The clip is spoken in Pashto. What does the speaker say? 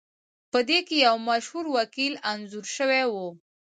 پدې کې یو مشهور وکیل انځور شوی و